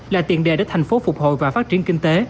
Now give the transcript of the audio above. là tiền đề để thành phố phục hồi và phát triển kinh tế